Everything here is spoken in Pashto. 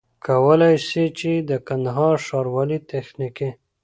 کولای سي چي د کندهار ښاروالۍ تخنيکي